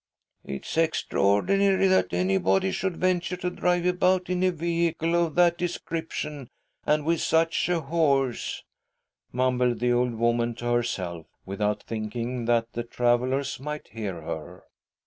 " It is extraordinary that anybody should venture to drive about in a vehicle of that description and with such a horse," mumbled the old woman to herself, without thinking that the travellers might hear her.